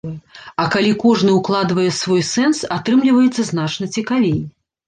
А калі кожны укладвае свой сэнс, атрымліваецца значна цікавей.